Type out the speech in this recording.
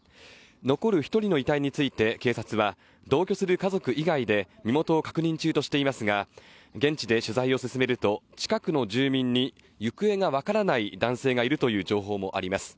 残る１人の遺体について警察は同居する家族以外で身元を確認中としていますが、現地で取材を進めると、近くの住民に行方が分からない男性がいるという情報もあります。